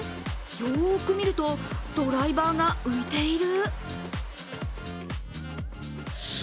よく見ると、ドライバーが浮いている？